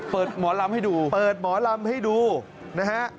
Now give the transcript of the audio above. หมอลำให้ดูเปิดหมอลำให้ดูนะฮะ